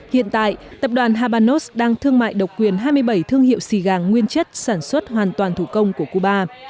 hiện tại tập đoàn habanos đang thương mại độc quyền hai mươi bảy thương hiệu xì gà nguyên chất sản xuất hoàn toàn thủ công của cuba